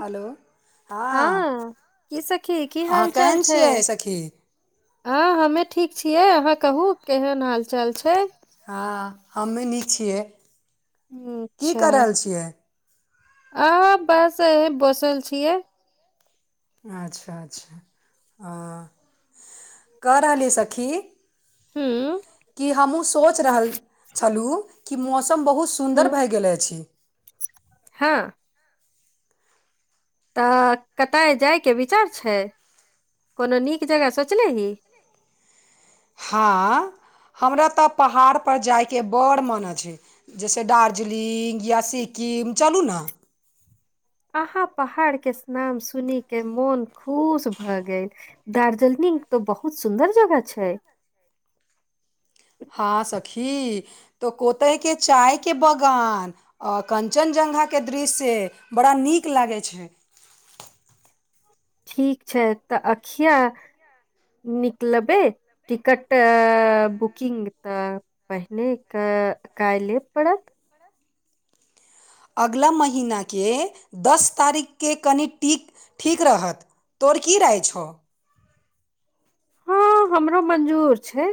Hello हँ की सखी की अहाँ हाल चाल केहन छियै छैय सखी हँ हमे ठीक छियै अहाँ कहू केहन हाल चाल छै। हँ हमे निक छियै की क रहल छियै। अ बस अही बसल छियै। अच्छा अच्छा ह कऽ रहलीय सखी हूँ कि हमहूँ सोच रहल छलुं कि मौसम बहुत सुन्दर हूँ भए गेल अछि। हँ तऽ कतय जाइके विचार छै कोनो नीक जगह सोचलेही हँ हमरा तऽ पहाड़पर जाइके बड़ मनै अछै। जैसे डार्जलिंग या सिक्किम चलू न अहाँ पहाड़के नाम सुनिके मोन खुश भय गेल। दार्जलिंग तऽ बहुत सुन्दर जगह छैय हँ सखी तऽ कोतेयके चायके बगान आ कञ्चनजंघाके दृश्य बड़ा नीक लागै छै। ठीक छै तऽ अखिया निकलबे। टिकट बुकिंग तऽ। पहिने कऽ काइले पड़त। अगला महिनाके दस तारीखके कनि टिक ठीक रहत। तोर की रहय छो हँ हमरो मंजूर छै।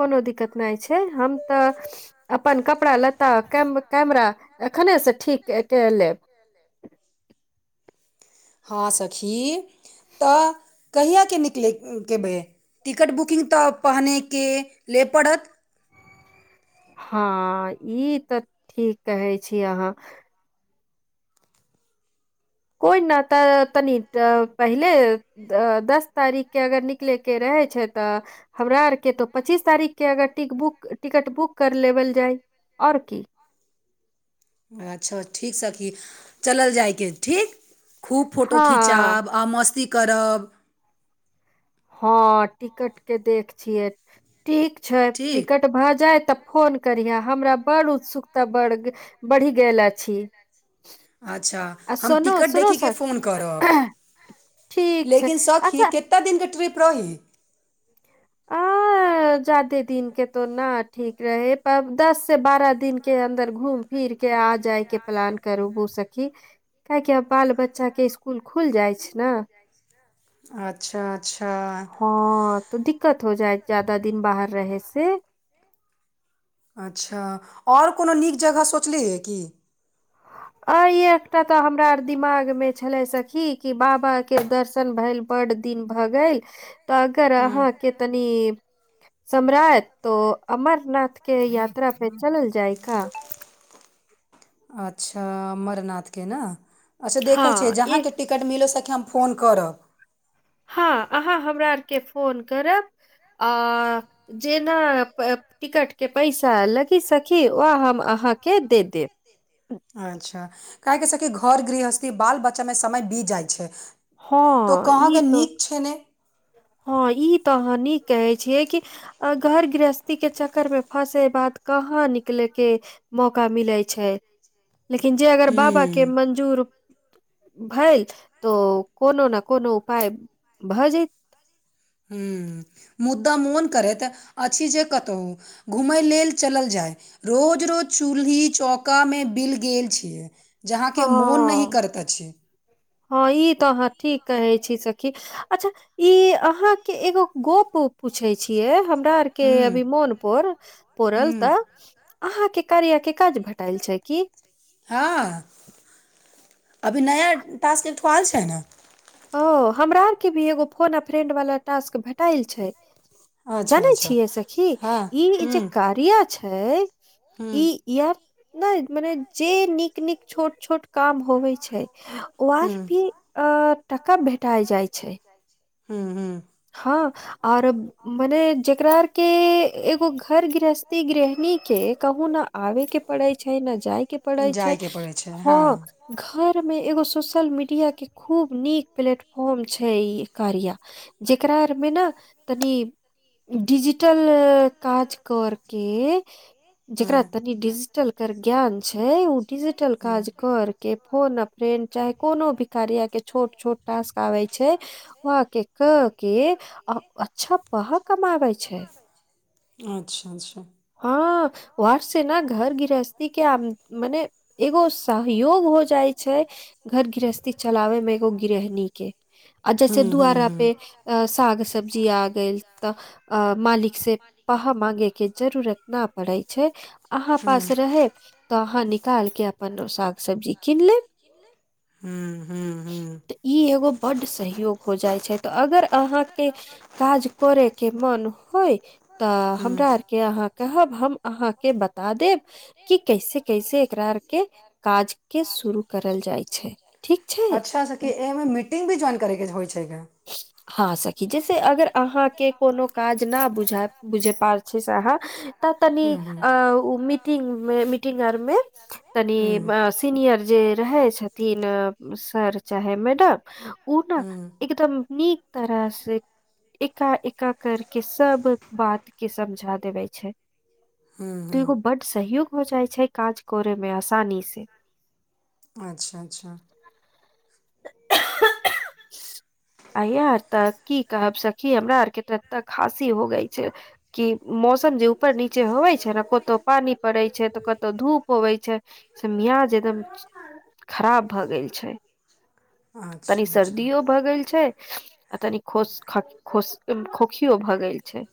कोनो दिक्कत नाय छैय हम तऽ। अपन कपड़ा लत्ता कैम कैमरा एखने से ठीक के कै लेब। हँ सखी तऽ कहियाके निकले केबै। टिकट बुकिंग तऽ पहनेके ले पड़त। हँ ई तऽ ठीक कहै छि अहाँ। कोइ न तऽ तनी ट‌ऽ पहिले। दऽ दस तारीकके अगर निकलेके रहै छै तऽ। हमरा आर के तऽ पच्चीस तारीख के अगर टिक बुक टिकट बुक कर लेवल जाय और की। अच्छा ठीक सखी चलल जायके ठीक। खूब फोटो हँ खिचाब आ मस्ती करब। हँ टिकट के देख छियै ठीक छै ठीक टिकट। तऽ भऽ जाय तऽ फोन करिहं हमरा बड़ उत्सुकता बढ बढ़ि गेल अछि। अच्छा आ हम सुनू टिकट सुनू देखिके सखी फोन करब। ठीक छै। लेकिन सखी अच्छा केत्ता दिनके ट्रिप रही। [inaudible] आ जादे दिन के तो न ठीक रहेत, तऽ दस से बारह दिन के अन्दर घूम फिर के, आ जायके प्लान करहू सखी। काहेकि आब बाल बच्चा के स्कूल खुल जाइ छै नऽ। अच्छा! अच्छा। ह, तऽ दिक्कत हो जाइत, ज्यादा दिन बाहर रहै से। अच्छा! और कोनो नीक जगह सोचलियै यै की। अय एकटा तऽ हमरा आर दिमाग मे छलै सखी! कि बाबा के दर्शन भैल बड दिन भऽ गेल, तऽ अगर हँ अहाँके तनि समय रहै, तो अमरनाथ के यात्रा पे चलल जाय का। अच्छा! अमरनाथके नऽ, अच्छा देखै छियै हँ ए जहाँके टिकट मिलै सखी! हम फोन करब। हँ, अहाँ हमरा आर के फोन करब, आ जेना टिकटके पैसा लगी सखी, ओ हम अहाँके दे देब। अच्छा! काहे कि सखी! घर गृहस्थी बाल बच्चामे समय बीत जाइ छै। तो हँ ई कहाँके तो नीक छै ने। हँ, ई तऽ अहाँ नीक कहै छियै कि। अ घर गृहस्थी के चक्कर में फँसे बाद, कहाँ निकलेके मौका मिलै छै, लेकिन जे अगर बाबा के हूँ मंजूर भैल, तो कोनो न कोनो उपाय भऽ जैत। हूँ, मुद्दा मोन करैत, अछि जे कतहु घूमय लेल चलल जाय। रोज- रोज चूल्ही चौका मे, बिल गेल छियै। जहाँके हँ मोन नहि करत अछि। हँ, ई तऽ अहाँ ठीक कहै छि सखी! अच्छा! ई अहाँ के एगो गप पूछै छियै, हमरा आर के हुँ अभी मोन पर परल हुँ तऽ। अहाँके कार्या के काज भेटैल छै की? हँ, अभी नया टास्क एकठो आएल छै नऽ। ओ हमरा आर के भी एगो फोन आ फ्रेंड वाला टास्क भेटाइल छै। अच्छा जानै अच्छा छियै सखी! हँ ई ई हुँ जे कार्या छै, हुँ ई यार नै मने, जे नीक- नीक छोट -छोट काम होवै छै। ओ आर हुँ भी अ टका भेटा जाय छै। हू- हू। हँ, आओर मने जेकरा के एगो घर गृहस्थी, गृहणी के कहु ने आवे के पड़ैत छै, न जायके पड़ैत छै। जायके पड़ै छै, हँ। घर मे एगो सोशल मीडिया के, खूब नीक प्लेटफॉरम छै, ई कार्य। जेकरा आरमे ने तनि डिजि टल काज करके जेकरा तनि हुँ डिजिटल के ज्ञान छै, उ डिजिटल काज कर के फोन फ्रेन, चाहे कोनो भी कार्य के छोट -छोट टास्क आबे छै, वहां के अहाँ के अच्छा! पाइ कमाबे छै। छै अच्छा! अच्छा! हँ, वर सेे न घर गिरहस्तथि के आ मने एगो सहयोग हो जाइ छै घर गृहस्थी चलाबे मे एगो गृहणी के आ जैसे हूँ हूँ दु्वारा पे साग सब्जी आ गेल तऽ। अ मालिक से पाहा माँंगे के जरूरत न पड़ेै छै अहाँ पास रहे तो अहाँ निकाल के अपन सा ह्म ह्म हूँ। तऽ ई एगो बड्ड सहयोग हो जाइ छै तऽ अगर अहाँके काज करे के मन होय तऽ हमरा आर के आहाँ कहब हम आहाँके बता देब कि कैसे कैसे एकरा आर के काज के शुरू करल जाय छै ठीक छै। के एय मे मीटिंग भी ज्वइन करैके होइ छै क हँ सखी जैसे अगर आहाँके कोनो काज न बुझ बुझय पा छै से आहाँ तऽ तनि अ मीटिंग मे मीटिंग आर मे तनि बस सीनियर जे रहै छथिन सर चाहे मैडम उ ने चाहे हूँ एकदम नीक तरह से एका- एका कर के सब बात के समझा देबे छै। हूँ, तो एगो हूँ। बड सहयोग हो जाइ छै काज करय में आसानी से अच्छा, अच्छा आययार तऽ की कहब सखी हमरा आर के तब तक खसी हो गई छै। की मौसम जे उपर नीचे हवइ छै ने कोतो पानी पड़ै छै तऽ कतौ धूप अबै छै। से मियाज एकदम खराब भऽ गेल छै। तनी अच्छा अच्छा सर्दीयो भगेल छै। आ तनि खोस खा खोस खोखियो भऽ गेल छै।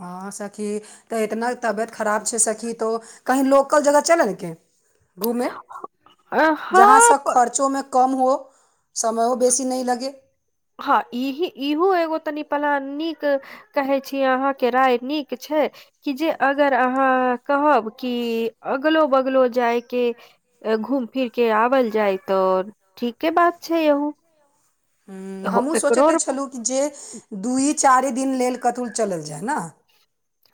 हँ सखी तऽ एतना तबेयत खराब छै सखी तो कहीँ लोक कल जगह चलेै के घूमे अ जहाँ सब हँ खर्चों में? कम हो समयो बेसी नहि लगे। हँ ईही इहोू एगो तनी पला नीक कहै छी आहाँके राय नीक छै कि जे अगर आहाँ कहब कि अगलो बगलो जाय के घूम फिर के आबल जायतो। ठीके बात छै यहू हूँ हमहुँ सोचैते छेलहुँ कि जे दूइ चारि दिन लेल कतहु चलल जाय न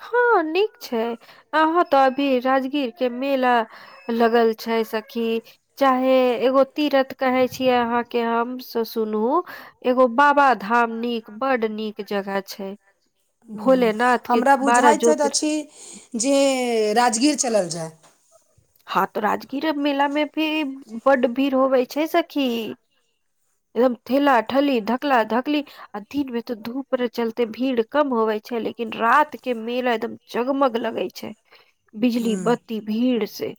हँ नीक छै आहाँ तऽ अभी राजगीर के मेला लगल छै सखी चाहे एगो तीरथ कहै छीयै आहाँके हम से सुनू एगो बाबा धाम नीक बड नीक जगह छै भोलेनाथ के- हमरा बारह बुझाइत ज्योतिर अछि जे राजगीर चलल जाय। हँ तऽ राजगीर मेला मे भी बड्ड भीड़ होबै छै सखी। एकदम ठेला -ठेली धकला -धकली आ दिन मे तऽ धूप रे चलते भीड़ कम होबै छै लेकिन रात के मेला एकदम- जगमग लगै छै बिजली बत्ती भीड़ से-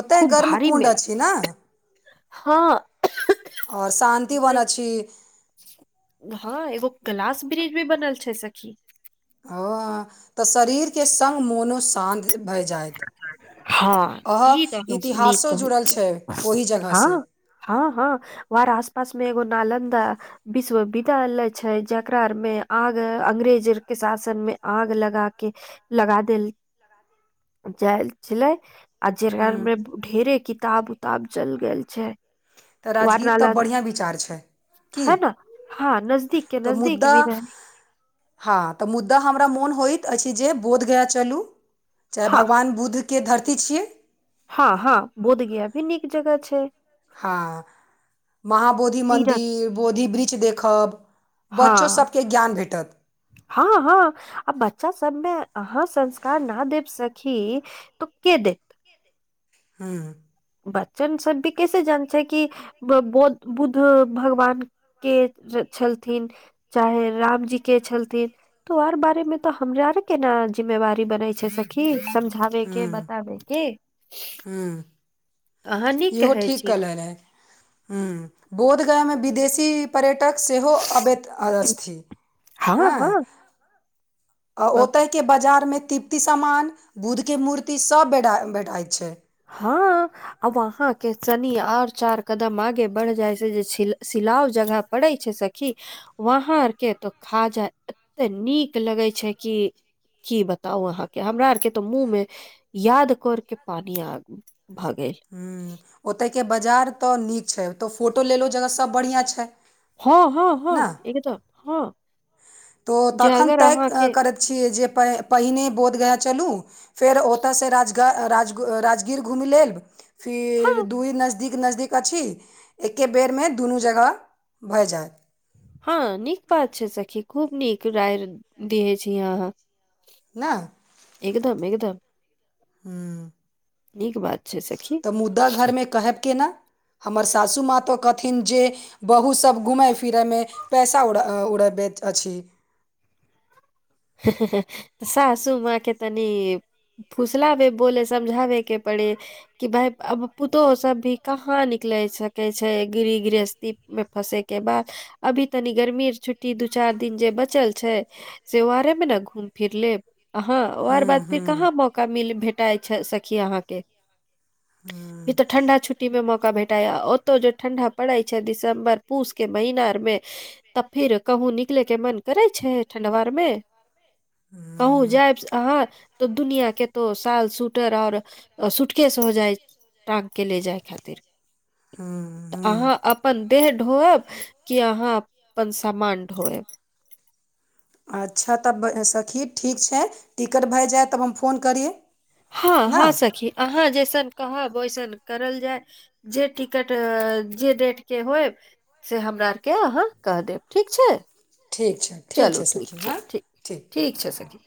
ओतैय खूब गर्म भारी कुण्ड मेला अछि न? हँ [unintelligible] और शान्ति बन ओते अछि। हँ एगो कैलास ब्रिज भी बनल छै सखी। हां तै शरीरके संग मोनो शान्त भए जाएत। हँ अ ई तऽ ह अहाँ नीक इतिहासो जुड़ल छै ओहि जगह से। हां-हां और आस-पास मे एगो नालन्दा विश्वविद्यालय छै जकरार मे आग अंग्रेज अर के शासन मे आग लगा कै लगा देल जाए छलै आ जेकरा हूँ आर मे ढेरे किताब-उताब जल गेल छै। तऽ राजगीर तब बढ़िया विचार छै। की हय न हां नजदीक के नजदीक भी रहे हां तऽ मुद्दा हमरा मोन होइत अछि जे बोधगया चलू चाहे हाँ भगवान बुद्ध के धरती छियै। हां-हां बोधगया भी नीक जगह छै। हां। महाबोधि तीरथ मन्दिर, बोधि वृक्ष देखब बच्चो सबके ज्ञान भेटत। हां-हां आ बच्चा सबमे अहाँ संस्कार न देब सखी तो के दै हूँ। बच्चे मे सब ई कैसे जानै छै कि ब बौद् बुद्ध भगवान के र छलथिन, चाहे रामजी के छलथिन। तो और बारे मे तऽ हमरा आर के ना जिम्मेवारी बनै छै सखी समझे वे के, बताबै के। हूं। अहाँ नीक इहो कहै ठीक छी कहले रहै, हूं बोधगया मे विदेशी पर्यटक सेहो अबैत अ अछ थी हँ हें। हँ अ ओतय के बाजार मे तृप्ति समान, बुध के मूर्ति सब बेडाय भेटाय छै। हां। आब वहाँ के कनि और चार कदम आगे बढ़ जाए छै जे छिल सिलाव जगह पड़ै छै सखी। वहां आर के तो खाजा एते नीक लगे छै कि की बताउ अहाँके हमरा आर के तऽ मुँह में याद करके पानी आ भऽ गेल। हूँ ओतय के बजार तऽ नीक छै, ओता फोटो लै ल ओ जगह सब बढ़िया छै। हां-हां-हां ना? एकदम हां। तो तखन तय करैत छियै जे पै पहिने बोधगया चलू फेर ओता से राजगा राज ग राजगीर घूम लेब फिर हँ दूइ नज नजदीक-नजदीक अछि, एके बेरमे दुनू जगह भऽ जाएत। हां नीक बात छै सखी, खूब नीक राय दीहे छी अहाँ न एकदम-एकदम। हुं बात छै सखी तऽ मुद्दा घरमे कहब केना? हमर सासुमाँ तो कहथिन जे बहु सब घूमय फिरय मे पैसा उड़ा अ उड़बैत अछि। सासू माँ के तनी फुसलाबै बोले समझाबै के पड़े कि भााय अब पुतहु सब भी कहा निकले सकै छैय गिह गृहस्थी। मे फसे के बाद अभी तनी गर्मी छुट्टी दू चार दिन जे बचल छैय। त्योहारे मे ने घूम फिर लेब हं अहाँ ओर बाद हूँ फिर हूँ कहाँ मौका मिल भेट। भेटाय छैय सखी अहाँ के ई हूँ तऽ ठंडा छुट्टी में मौका भेट। ओतौ जे ठंडा पड़े छैय दिसम्बर पूस के महीना मे। तऽ फिर कहूँ निकले के मन करे छै ठंडवा मे। मे कहु हूँ जाइब आहाँ त दुनिया के। तो साल सुटर और सुूटकेस हो जाइ। टाँग के ले जाय खातिरऽ हूँ हूँ अहाँ अब। अपन देह ढोयब कि अहाँ अपन समान ढोयब। अच्छा तब सखी ठीक छैय टिकट भए जायत तब हम फोन करि। हँ हँ सखी अहाँ जैसन कहब ओइसन करल जाय। जे टिकट जे डेट के होइ। से हमराके अहाँ के देब ठीक छै। ठीक छैय। चलू ठीक छैय ठीक ठीक छैय सखी।